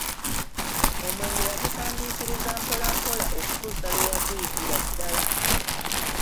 Omwenge yagutandiikiriza mpolampola okutuusa lwe yaguyigira ddala.